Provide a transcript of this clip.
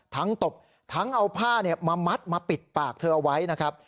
ตบทั้งเอาผ้ามามัดมาปิดปากเธอเอาไว้นะครับ